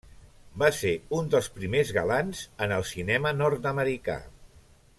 Va ser un dels primers galants en el cinema nord-americà.